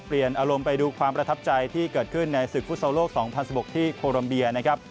อารมณ์ไปดูความประทับใจที่เกิดขึ้นในศึกฟุตซอลโลก๒๐๑๖ที่โครัมเบียนะครับ